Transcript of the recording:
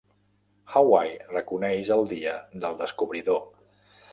Hawaii reconeix el dia del descobridor.